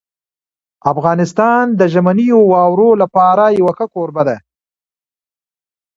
افغانستان د ژمنیو واورو لپاره یو ښه کوربه دی.